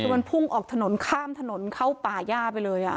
คือมันพุ่งออกถนนข้ามถนนเข้าป่าย่าไปเลย